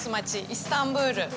イスタンブール。